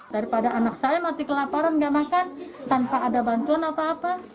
daripada anak saya mati kelaparan nggak makan tanpa ada bantuan apa apa